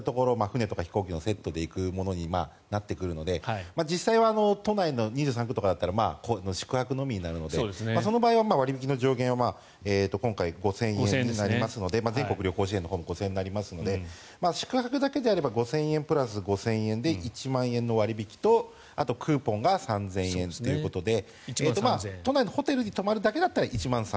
船とか飛行機のセットで行くものになってくるので実際は都内の２３区とかだったら宿泊のみになるのでその場合は割引の上限は今回、５０００円になりますので全国旅行支援のほうも５０００円になりますので宿泊だけなら５０００円プラス５０００円で１万円の割引とあとクーポンが３０００円ということで都内のホテルに泊まるだけだったら１万３０００円。